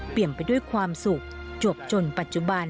เปลี่ยนไปด้วยความสุขจบลงจนจะปัจจุบัน